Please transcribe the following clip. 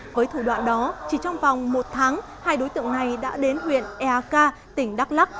với thủ đoạn đó chỉ trong vòng một tháng hai đối tượng này đã đến huyện eak tỉnh đắk lắc